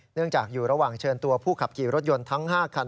เนื่องจากอยู่ระหว่างเชิญตัวผู้ขับขี่รถยนต์ทั้ง๕คัน